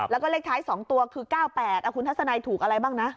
แล้วก็เลขท้าย๒ตัวคือ๙๘คุณทัศนัยถูกอะไรบ้างนะ